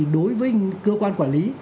đối với cơ quan quản lý